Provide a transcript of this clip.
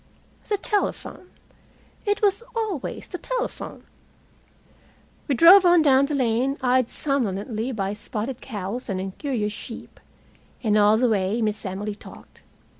The telephone! It was always the telephone. We drove on down the lane, eyed somnolently by spotted cows and incurious sheep, and all the way Miss Emily talked.